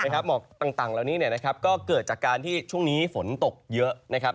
หมอกต่างเหล่านี้ก็เกิดจากการที่ช่วงนี้ฝนตกเยอะนะครับ